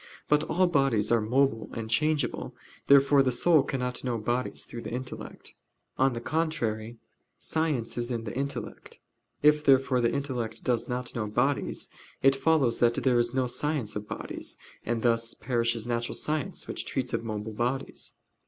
But all bodies are mobile and changeable. Therefore the soul cannot know bodies through the intellect. On the contrary, Science is in the intellect. If, therefore, the intellect does not know bodies, it follows that there is no science of bodies; and thus perishes natural science, which treats of mobile bodies.